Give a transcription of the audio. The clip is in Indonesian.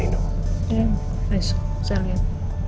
ya besok saya liat